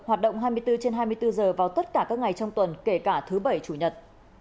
hoạt động hai mươi bốn trên hai mươi bốn giờ vào tất cả các ngày trong tuần kể cả thứ bảy chủ nhật